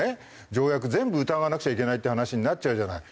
条約全部疑わなくちゃいけないっていう話になっちゃうじゃない。